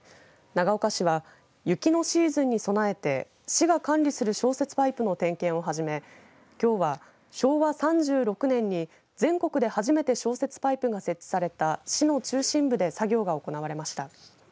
長岡市は雪のシーズンに備えて市が管理する消雪パイプの点検をはじめきょうは、昭和３６年に全国で初めて消雪パイプが設置された市の中心部で作業が行われました。